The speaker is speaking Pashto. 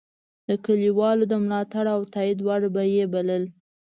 د کلیوالو د ملاتړ او تایید وړ به یې بلل.